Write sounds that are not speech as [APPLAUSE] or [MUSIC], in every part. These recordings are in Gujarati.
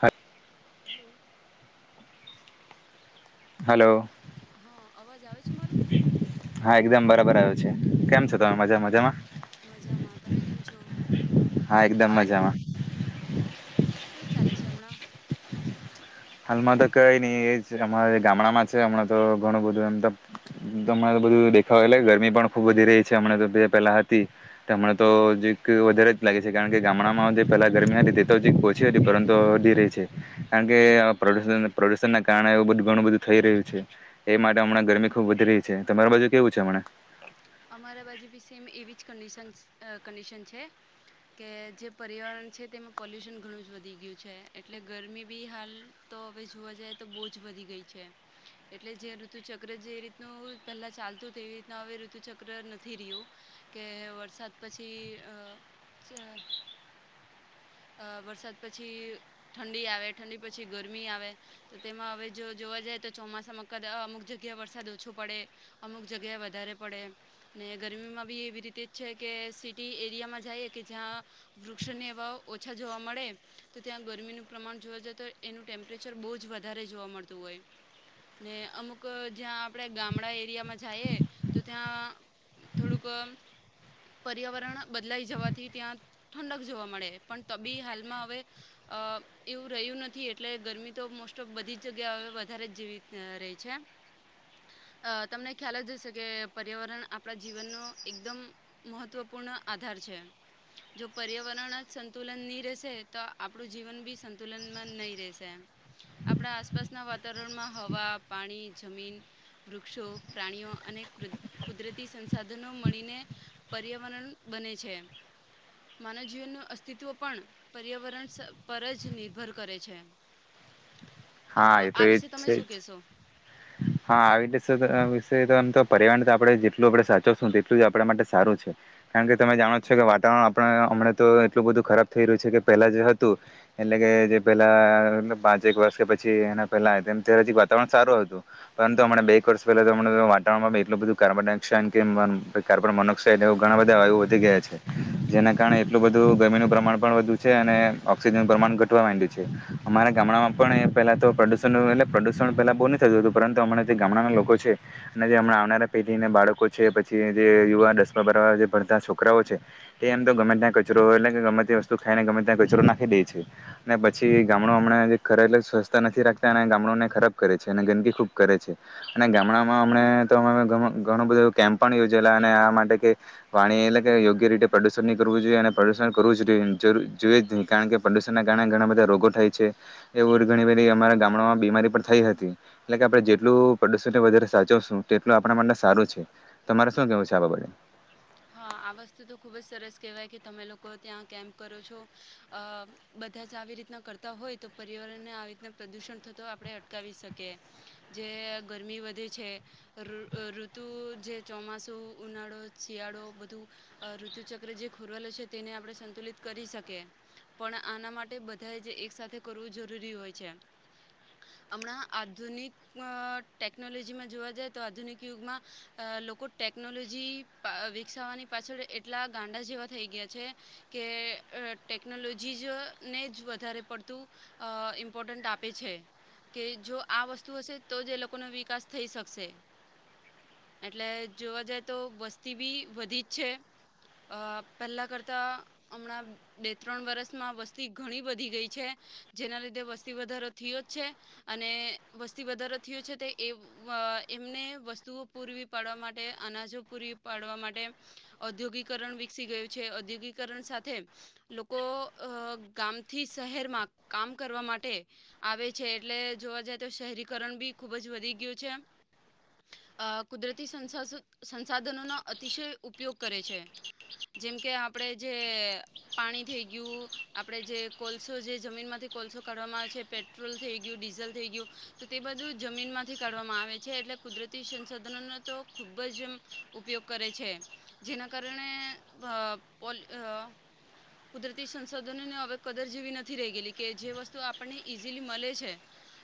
હા [INAUDIBLE] હાલો હા અવાજ આવે છે મારું હા એકદમ બરા બરાબર કેમ છો હા તમે મજા મજામાં મજામાં તમે કેમ છો હા એકદમ મજામાં. [INAUDIBLE] શું ચાલે છે હમણાં હાલમાં તો કઈ નહી એ અમારે ગામડામાં છે હમણાં તો ઘણું બધું એમ તોમને બધું દેખાવ લ ગરમી પણ ખૂબ વધી રહી છે હમણા તો જે પહેલાં હતી તેમાં તો ચીક વધારે જ લાગે છે કારણ કે ગામડામાં જે પહેલાં ગરમી હતી તે તો ચીક ઓછી હતી પરંતુ વધી રહી છે કારણ કે પ્રદૂષણ ના કારણે એવું બધું ઘણું બધું થઈ રહ્યું છે એ માટે હમણાં ગરમી ખુબ વધી રહી છે તમારી બાજુ કેવું છે હમણાં અમારા બાજુ બી સેમ એવી જ ક કન્ડિશન છે કે જે પર્યાવરણ છે તેમાં પોલ્યુશન ઘણું જ વધી ગયું છે એટલે ગરમી બી હાલ તો હવે જોવા જાય તો બહુ જ વધી ગઈ છે એટલે જે ઋતુ ચક્ર જે રીતનું પહેલા ચાલતું તું એવી રીત નું હવે ઋતુ ચક્ર નથી રહ્યું કે વરસાદ પછી અ વરસાદ પછી ઠંડી આવે ઠંડી પછી ગરમી આવે તો તેમાં હવે જો જોવા જાય તો ચોમાસામાં કદ અમુક જગ્યાએ વરસાદ ઓછો પડે અમુક જગ્યા વધારે પડે ને ગરમીમાં બી એવી રીતે જ છે કે સીટી એરિયામાં જઈએ કે જ્યાં વૃક્ષોની હવા ઓછા જોવા મળે તો ત્યાં ગરમીનું પ્રમાણ જોવા જઈએ તો એનું ટેમ્પરેચર બહુ જ વધારે જોવા મળતું હોય ને અમુક જ્યાં આપણે ગામડા એરિયામાં જાઈએ તો ત્યાં થોડુંક પર્યાવરણ બદલાઈ જવાથી ત્યાં ઠંડક જોવા મળે પણ તબી હાલમાં હવે એવું રહ્યું નથી એટલે ગરમી તો મોસ્ટ ઓફ બધી જ જગ્યા હવે વધારે જ જેવી રહી છે તમને ખ્યાલ જ હશે કે પર્યાવરણ આપણા જીવનનો એકદમ મહત્વપૂર્ણ આધાર છે જો પર્યાવરણ જ સંતુલન નહીં રહેશે તો આપણું જીવન બી સંતુલનમાં નહીં રહેશે આપણા આસપાસના વાતાવરણમાં હવા પાણી જમીન વૃક્ષો પ્રાણીઓ અને કુદરતી સંસાધનો મળીને પર્યાવરણ બને છે માનવ જીવનનું અસ્તિત્વ પણ પર્યાવરણ પર જ નિર્ભર કરે છે. હા એ તો આ એજ વિશે તમે છે શું જ કહેશો? હા આવી રીતે વિષ તોમ તો પર્યાવરણ આપડણે જેટલું આપણે સાચોશું તેટલું આપણા માટે સારું છે કારણ કે તમે જાણો છો કે વાતાવરણ આપ હમણાં તો એટલું બધું ખરાબ થઈ રહ્યું છે કે પેલા જે હતું એટલે કે જે પેલા પાંચે એક વર્ષ કે પછી એના પહેલા હજી વાતાવરણ સારું હતું. પરંતુ હમણા બે એક વર્ષ પહેલા વાતાવણમાં એટલું બધું કાર્બન ડાયોક્સન કે ઓક્સાઇડ એવ ઘણા બધા વાયુ વધી ગયા છે જેના કારણે એટલું બધું ગરમીનું પ્રમાણ પણ વધુ છે અને ઓક્સિજનનું પ્રમાણ ઘટવા માંડ્યું છે અમારા ગામડામાં પણ એ પહેલા તો પ્રદુષણ એટલે પ્રદુષણ પહેલા બહુ પરંતુ હમણાં જે ગામડાના લોકો છે અને જેમણા આવનારા પેઢીને બાળકો છે પછી જે યુવા દસ ના ભડતા છોકરાઓ છે તે એમ તો ગમે ત્યાં કચરો એટલે કે ગમે તે વસ્તુ ખાઈને ગમે ત્યાં કચરો નાખી દે છે ને પછી ગામડો હમણાં ખરે એટલે સ્વસ્થતા નથી રાખતા અને ગામડોને ખરાબ કરે અને ગંદકી ખૂબ કરે છે અને ગામડામાં અમણા તો ઘણો બધો કેમ્પ પણ યોજાયલા અને આ માટે કે પાણી એટલે કે યોગ્ય રીતે પ્રદૂષણ નહીં કરવું જોઈએ અને પ્રદૂષણ કરવું જ જોઈએ નહીં કારણ કે પ્રદૂષણના કારણે ઘણા બધા રોગો થાય છે એવું ઘણી બધી અમારા ગામડામાં બીમારી પણ થઈ હતી. એટલે કે આપણે જેટલું પ્રદુષણ વધારે સાચવશું તેટલું આપણા માટે સારું છે તમારે શું કેવું છે આ બાબતે? હા આ વસ્તુ તો ખુબ જ સરસ કેહેવાય કે તમે લોકો ત્યાં કેમ્પ કરો છો અ બધા જ આવી રીતના કરતા હોય તો પર્યાવરણને આવી રીતના પ્રદુષણ થતો આપણે અટકાવી શકીએ, જે ગરમી વધે છે ઋતુ જે ચોમાસું, ઉનાળો શિયાળો બધું ઋતુ ચક્ર જે ખોરવેલો છે તેને આપણે સંતુલિત કરી શકીએ પણ આના માટે બધાએ જે એક સાથેથે કરવું જરૂરી હોય છે હમણાં આધુનિક ટેકનોલોજીમાં જોવા જાય તો આધુનિક યુગમાં લોકો ટેકનોલોજી વિકસાવવાની પાછળ એટલા ગાંડા જેવા થઈ ગયા છે કે ટેકનોલોજી જ ને જ વધારે પડતું ઇમ્પોર્ટન્ટ આપે છે કે જો આ વસ્તુ હશે તો જ એ લોકોનો વિકાસ થઈ શકશે એટલે જોવા જાય તો વસ્તી બી વધી જ છે પહેલાં કરતાં હમણાં બે ત્રણ વર્ષમાં વસ્તી ઘણી વધી ગઈ છે જેના લીધે વસ્તી વધારો થયો જ છે અને વસ્તી વધારો થયો છે તે એ એમને વસ્તુઓ પૂરવી પાડવા માટે અનાજો પૂરી પાડવા માટે ઔદ્યોગિકરણ વિકસી ગયું છે. ઔદ્યોગિકરણ સાથે લોકો ગામથી શહેરમાં કામ કરવા માટે આવે છે એટલે જોવા જાય તો શહેરીકરણ બી ખુબ જ વધી ગયું છે. કુદરતી સં સંસાધનો અતિશય ઉપયોગ કરે છે જેમ કે આપણે જે પાણી થઈ ગયું. આપણે જે કોલસો જે જમીનમાંથી કોલસો કાઢવામાં આવે છે પેટ્રોલ થઈ ગયું ડીઝલ થઈ ગયું તો તે બધું જમીનમાંથી કાઢવામાં આવે છે એટલે કુદરતી સંસાધનોનો તો ખૂબ જ એમ ઉપયોગ કરે છે જેના કારણે પો કુદરતી સંશોધનોને હવે કદર જે એવી નથી રહી ગયેલી કે જે વસ્તુ આપણને ઇઝીલી મળે છે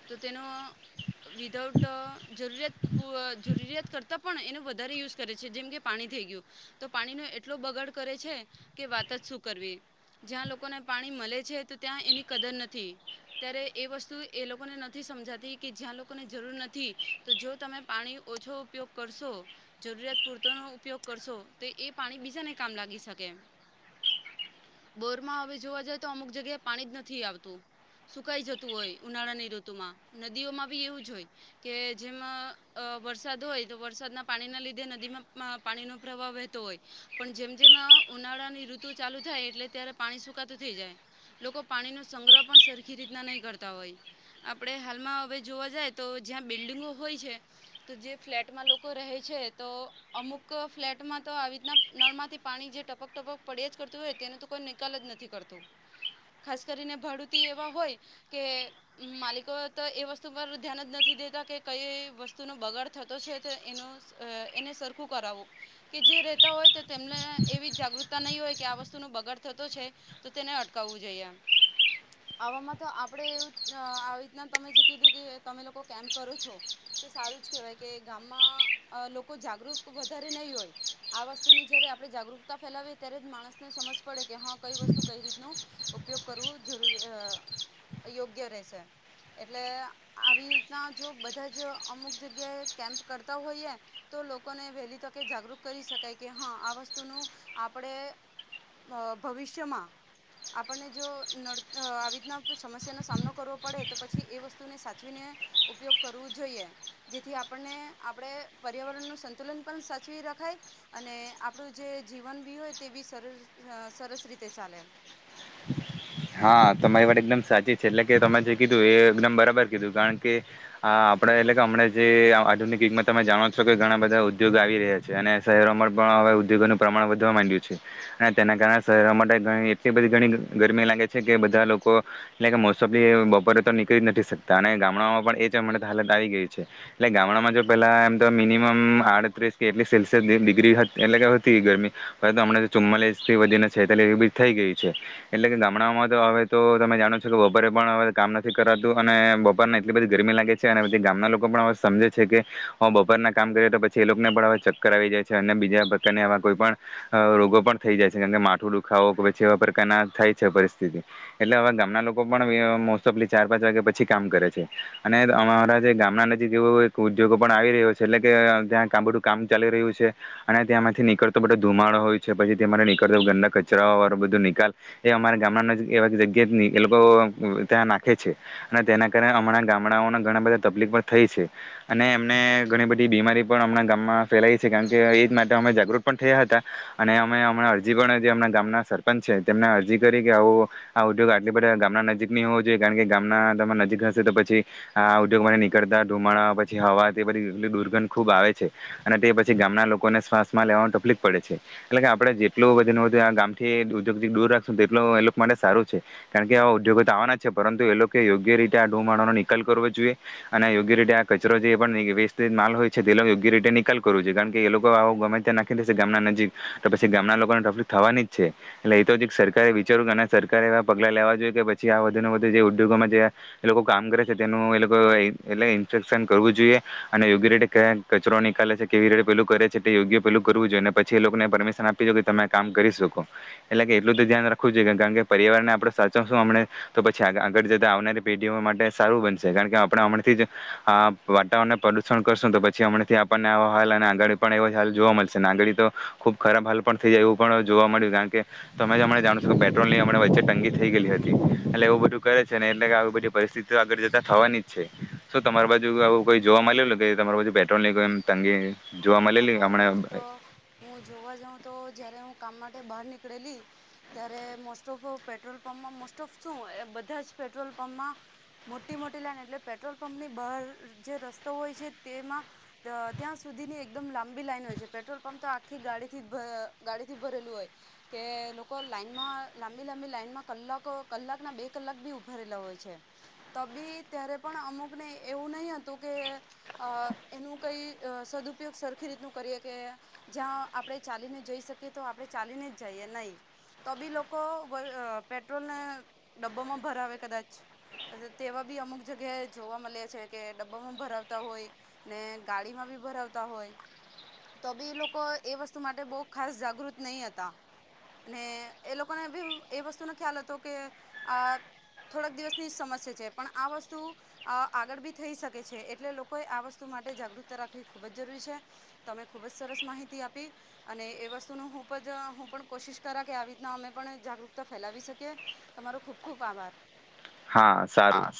તો તેનો વિધાઉટ જરૂરિયાત જરૂરિયાત કરતાં પણ એનો વધારે યુઝ કરે છે જેમકે પાણી થઇ ગયું તો પાણી ન એટલો બગાડ કરે છે કે વાત જ શું કરવી જ્યાં લોકોને પાણી મળે છે તો ત્યાં એની કદર નથી ત્યારે એ વસ્તુ એ લોકોને નથી સમજાતી કે જ્યાં લોકોને જરૂર નથી તો જો તમે પાણી ઓછો ઉપયોગ કરશો જરૂરિયાત પૂરતોનો ઉપયોગ કરશો તો એ પાણી બીજાને કામ લાગી શકે એમ. બોરમાં હવે જોવા જઈ તો અમુક જગ્યાએ પાણી જ નથી આવતું સુકાઈ જતું હોય ઉનાળાની ઋતુમાં નદીઓમાં બી એવું જ હોય કે જેમાં વરસાદ હોય તો વરસાદના પાણીના લીધે નદીમાં પાણીનો પ્રવાહ વહેતો હોય પણ જેમ જેમ ઉનાળાની ઋતુ ચાલુ થાય એટલે ત્યારે પાણી સુકાતું થઈ જાય લોકો પાણીનો સંગ્રહ પણ સરખી રીતના નહીં કરતા હોય આપણે હાલમાં હવે જોવા જાય તો જ્યાં બિલ્ડંગો હોય છે તો જે ફ્લેટમાં લોકો રહે છે તો અમુક ફ્લેટમાં તો આવી રીતના નળમાંથી પાણી જે ટપક ટપક પડ્યા જ કરતું હોય તેનો તો કોઈ નિકાલ જ નથી કરતું. ખાસ કરીને ભડુતી એવા હોય કે માલિકો તો એ વસ્તુ પર ધ્યાન જ નથી દેતા કે કઈ વસ્તુ ન બગાડ થતો છે તો એ એને સરખું કરાવું કે જે રેતા હોય તો તેમને એવી જાગૃતતા નહી હોય કે આ વસ્તુ ન બગાડ થતો છે તો તેને અટકાવવું જોઈએ આવામાં તો આપણેે એવું આવી રીતના તમે જે કીધું કે તમે લોકો કેમ્પ કરો છો તે સારું જ કેહેવાય કે ગામમાં લોકો જાગૃત ન હોય આ વસ્તુની જયારે આપણે જાગૃકતા ફેલાવીએ ત્યારે જ માણસને સમજ પડે કે હા કઈ વસ્તુ કઈ રીત ન ઉપયોગ કરવું જરૂરી યોગ્ય રહેશે એટલે આવી રીતના જો બધા જ અમુક જગ્યાએ કેમ્પ કરતા હોઈએ તો લોકોને વેલી જાગૃત કરી શકાય કે હા આ વસ્તુનું આપણે ભવિષ્યમાં આપણને જો આવી રીતના સમસ્યાનો સામનો કરવો પડે તો પછી એ વસ્તુને સાચવીને ઉપયોગ કરવો જોઈએ જેથી આપણને આપણે પર્યાવરણ નું સંતુલન પણ સાચવી રખાય અને આપડું જે જીવન બી હોય તે બી સરસ રીતે ચાલે હા તમારી વાત એકદમ સાચી. એટલે કે તમે જે કીધું એ એકદમ બરાબર. કીધું કારણ કે આપડે એટલે કે હમણાં જે આધુનિક યુગમાં તમે જાણો છો કે ઘણા બધા ઉદ્યોગ આવી રહ્યા છે અને શહેરોમાં પણ હવે ઉદ્યોગો નનું પ્રમાણ વધવા માંડ્યું છે અને તેના કારણે શહેરો માટેણી એટલી બધી ઘણી ગરમી લાગે છે કે બધા લોકો એટલે મોસમલી બપોરે તો નીકળી જ નથી શકતા અને ગામડામાં પણ એ જમ હાલત આવી ગઈ છે એટલે ગામડામાં જો પેલા એમ તો મિનિમમ આડત્રીસ કે એટલી સેલ્સિયસ ડિગ્રી એટલે કેતી ગરમી પરંતુમણાં ચુમ્માલીસ થી વધીને છેતાલીસ બી થઈ ગઈ. છે એટલે કે ગામડામાં તો હવે તો તમે જાણો છો કે બપોરે પણ હવે કામ નથી કરાતું અને બપોર એટલી બધી ગરમી લાગે છે અને પછી ગામના લોકો પણ હવે સમજે છે કે બપોરના કામ કરી તો પછી એ લોકોને પણ હવે ચક્ક કરાવી જાય છે અને બીજા અને એવા કોઈ પણ રોગો પણ થઈ જાય છે કેમ કે માથું દુખાવો કે પછી એવા પર ના આ થાય છે પરિસ્થિતિ એટલે હવે ગામના લોકો પણ મોસ્ટફ ચાર પાંચ વાગ્યા પછી કામ કરે છે અને અમારા જે ગામના નજીકવો ઉદ્યોગો પણ આવી રહ્યો છે એટલે કે ત્યાં કામ બધું કામ ચાલી રહ્યું છે અને નીકળતો બધો ધુમાળો હોય છે પછીથી મારે નીકળતો ગંદા કચરાર બધું નનીકળ એ અમારા ગામડા એવા જગ્યા એ લોકો ત્યાં નાખે છે અને તેના કારણે હમણાં ગામડાઓને ઘણા બધા તકલીફ પણ થાય છે અને એમને ઘણી બધી બીમારી પણ હમણાં ગામમાં ફેલાય છે કારણ કે માટે અમે જાગૃત પણ થયા હતા અને અમે હમણાં અરજી પણમણા ગામના સરપંચ છે. અરજી કરી કે આવો આ ઉદ્યોગ આટલી બધા ગામના નજીકની હોવો જોઈએ કારણ કે ગામના તમા નજીક હશે તો પછી આ ઉદ્યોગ નીકળતા ધુમાડા પછી હવા તે બધીટલી દુર્ગંધ ખુબ આવે છે અને તે પછી ગામના લોકોને માં લેવાનું તકલીફ પડે છે એટલે કે આપે જેટલું વધુ ને વધુ આ ગામ થી દૂર રાખશો તેટ એ લોકો માટે સારું છે કારણ કે આવા ઉદ્યોગો તો આવવાના જ છે પરંતુ એ લોકો યોગ્ય રીતે આ ધુમાળોનો નિકાલ કરવો જોઈએ અને યોગ્ય રીતે આ કચરો જે વેસ્ટેજ માલ હોય છે તે યોગ્ય રીતે નિકાલ કરવો જોઈએ કારણ કે એ લોકો ગમે ત્યાં નાખી દેશે ગામના નજીક તો પછી ગામના લોકો ને ટ્રફિક થવાની જ છે એટલે એ તો જ એક સરકારે વિચાર્યું કે અને સરકારે એવા પગલાં લેવા જોઈએ કે પછી આ વધુ ને વધુ જે ઉદ્યોગોમાં જે એ લોકો કામ કરે છે તેનું એ લોકો એટલે ઇન્પેક્શન કરવું જોઈએ અને યોગ્ય રીતે ક્યાં કચરો નીકળલે છે કેવી રીતે પેલું કરે છે યોગ્ય પેલું કરવું જોઈએ અને પછી એ લોકોને પરમિશન આપી જોએ કે તમે કામ કરી શકો એટલે કે એટલું તો ધ્યાન રાખવું જોઈએ કે કારણ કે પરિવાર ને આપણે સાચવશું હમને તો પછી આગળ જતા આવનારી પેઢીઓ માટે સારું બનશે કારણ કે આપણે હમણાંથી જ વાતાવરણને પ્રદુષણ કરશું તો પછી હમણાથી આપણને આો હાલ અને આગળ પણ એવો હાલ જોવા મળશે ને આગાડી તો ખુબ ખરાબ હાલ પણ થઈ જાય એવું પણ જોવા મળ્યું કારણ કે તમે જ અમણે જાણો છો કે પેટ્રોલની અમણે વચ્ચે તંગી થઈ ગયેલી હતી એટલે એવું બધું કરે છે ને એટલે કે આવી બધી પરિસ્થિતિ આગળ જતા થવાની જ છે શું તમારી બાજુ આવું કોઈ જોવા મળેલું કે તમા બાજુ પેટ્રોલ ની કોઈ એમ તંગી જોવા હા મળેલી મારી હમણાં? બાજુ તો હું જોવા જાઉં તો જ્યારે હું કામ માટે બહાર નીકળેલી ત્યારે મોસ્ટ ઓફ પેટ્રોલ પંપમાં મોસ્ટ ઓફ શું બધા જ પેટ્રોલ પંપમાં મોટી મોટી લાઈન એટલે પેટ્રોલ પંપની બહાર જે રસ્તો હોય છે તેમાં ત્યાં સુધીની એકદમ લાંબી લાઇન હોય છે. પેટ્રોલ પંપ તો આખી ગાડીથી ગાડીથી ભરેલું હોય કે લોકો લાઈનમાં લાંબી લાંબી લાઈનમાં કલાકો કલાક ના બે કલાક બી ઉભરેલા હોય છે. તો બી ત્યારે પણ અમુકને એવું નહી હતું કે એનું કઈ સદુ ઉપયોગ સરખી રીતનું કરીએ કે જ્યાં આપણે ચાલીને જઈ શકીએ તો આપણે ચાલીને જ જઈએ નહી તો બી લોકો પેટ્રોલને ડબ્બામાં ભરાવે કદાચ તેવા બી અમુક જગ્યાએ જોવા મળ્યા છે કે ડબ્બામાં ભરાવતા હોય ને ગાડીમાં બી ભરાવતા હોય તો બી લોકો એ વસ્તુ માટે બો ખાસ જાગૃત નહી હતા એ લોકોને બી એ વસ્તુનો ખ્યાલ હતો કે અ થોડાક દિવસની સમસ્યા છે. પણ આ વસ્તુ આગળ બી થઈ શકે છે. એટલે લોકો આ વસ્તુ માટે જાગૃતતા રાખવી ખુબ જ જરૂરી છે તમે ખુબ જ સરસ માહિતી આપી અને એ વસ્તુનો પજ હું પણ કોશિશ કરા કે આવી રીતના અમે પણ જાગૃતતા ફેલાવી શકીએ. તમારો ખુબ ખુબ આભાર. હા સારું.